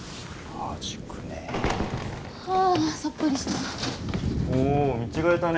あさっぱりした。